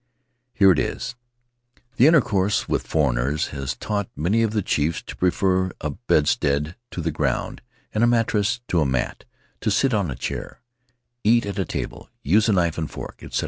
Here it is: * Their intercourse with foreigners has taught many of the chiefs to prefer a bedstead to the ground, and a mattress to a mat; to sit on a chair, eat at a table, use a knife and fork, etc.